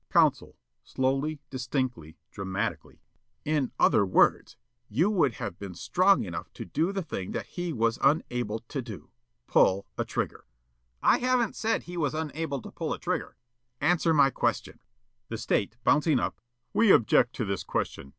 Counsel, slowly, distinctly, dramatically: "In other words, you would have been strong enough to do the thing that he was unable to do, pull a trigger." Yollop: "I haven't said he was unable to pull a trigger." Counsel: "Answer my question!" The State, bouncing up: "We object to this question.